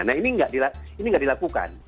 nah ini nggak dilakukan